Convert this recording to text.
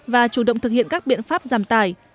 và chủ động thực hiện các biện pháp giảm tài